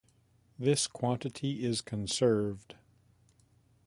This quantity is conserved.